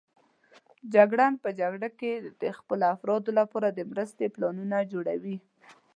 جګړن په جګړه کې د خپلو افرادو لپاره د مرستې پلانونه جوړوي.